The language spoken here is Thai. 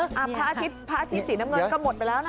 พระอาทิตย์สีน้ำเงินก็หมดไปแล้วนะ